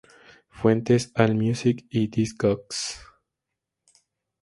Fuentes: Allmusic y Discogs.